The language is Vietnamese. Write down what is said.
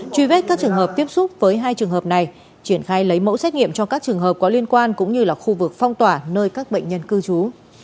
truy vết các trường hợp tiếp xúc với hai trường hợp này triển khai lấy mẫu xét nghiệm cho các trường hợp có liên quan cũng như là khu vực phong tỏa nơi các bệnh nhân cư trú